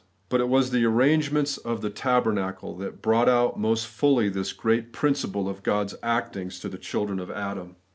But it was the arrangements of the tabernacle that brought out most fuUy this great principle of God's actings to the children of Adam.